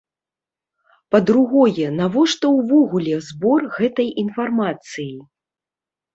Па-другое, навошта ўвогуле збор гэтай інфармацыі?